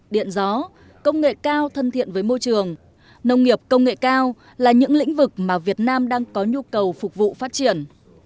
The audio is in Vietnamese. điện gió công nghệ cao thân thiện với môi trường nông nghiệp công nghệ cao là những lĩnh vực mà việt nam đang có nhu cầu phục vụ phát triển